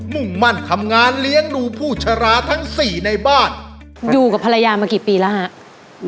มุ่งมั่นทำงานเลี้ยงดูผู้ชราทั้งสี่ในบ้านอยู่กับภรรยามากี่ปีแล้วฮะ